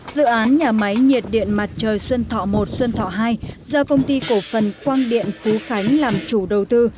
dự án nhà máy nhiệt điện mặt trời xuân thọ một xuân thọ hai do công ty cổ phần quang điện phú khánh làm chủ đầu tư